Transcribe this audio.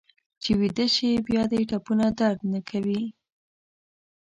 چې ویده شې بیا دې ټپونه درد نه کوي.